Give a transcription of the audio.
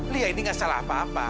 lia ini gak salah apa apa